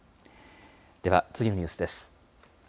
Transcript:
では、次のニュースです。